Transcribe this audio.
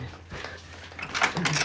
jangan barrion huang